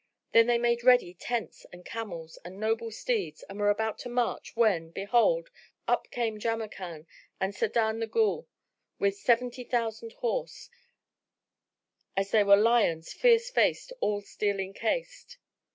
Then they made ready tents and camels and noble steeds and were about to march when, behold, up came Jamrkan and Sa'adan the Ghul, with seventy thousand horse, as they were lions fierce faced, all steel encased.